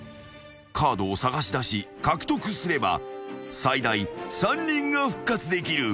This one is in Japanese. ［カードを探し出し獲得すれば最大３人が復活できる］